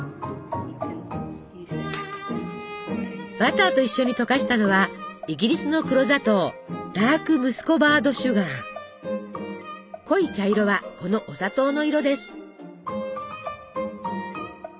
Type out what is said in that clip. バターと一緒に溶かしたのはイギリスの黒砂糖濃い茶色はこのお砂糖の色です。